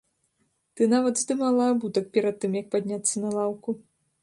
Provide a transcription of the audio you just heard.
Ты нават здымала абутак перад тым, як падняцца на лаўку.